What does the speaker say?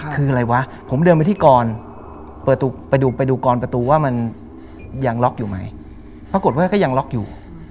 คืออะไรวะผมเดินไปที่กรเปิดไปดูกรประตูว่ามันยังล็อกอยู่ไหมปรากฏว่าก็ยังล็อกอยู่